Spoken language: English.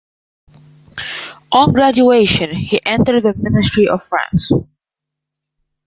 On graduation, he entered the Ministry of Finance.